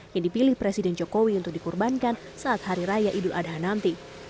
yang dipilih presiden jokowi untuk dikurbankan saat hari raya idul adha nanti